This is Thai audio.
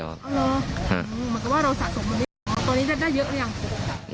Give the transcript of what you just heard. เอาเลยหืออืมเหมือนกับว่าเราสะสมตอนนี้เอาได้ได้เยอะหรือไม่ยาว